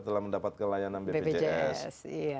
telah mendapatkan pelayanan bpjs